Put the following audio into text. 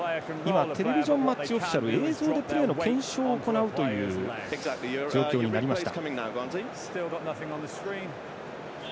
テレビマッチオフィシャル映像でプレーの検証を行うという状況になりました。